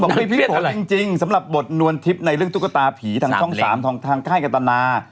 บอกว่าพี่พี่โผล่จริงสำหรับบทนวนทิปในเรื่องตุ๊กตาผีทางช่อง๓ทางค่ายการตนา